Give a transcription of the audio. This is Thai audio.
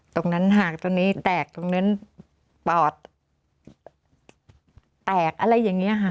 หากตรงนี้แตกตรงนั้นปอดแตกอะไรอย่างนี้ค่ะ